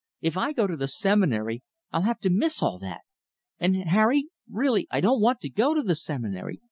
If I go to the Seminary, I'll have to miss all that. And Harry, really I don't want to go to the Seminary.